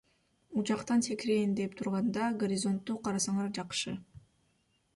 Учактан секирейин деп турганда горизонтту карасаңар жакшы.